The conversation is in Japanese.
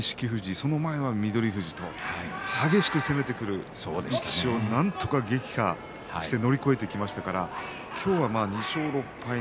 その前は翠富士激しく攻めてくる力士をなんとか撃破して乗り越えてきましたから今日は２勝６敗